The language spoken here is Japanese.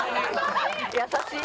優しい。